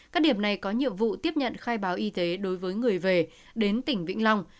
các điểm này có nhiệm vụ tiếp nhận khai báo y tế đối với người về đến tỉnh vĩnh long